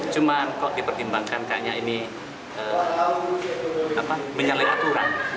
cuman kalau dipertimbangkan kayaknya ini menyalahkan aturan